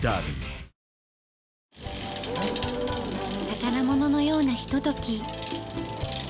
宝物のようなひととき。